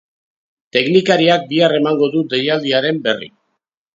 Teknikariak bihar emango du deialdiaren berri.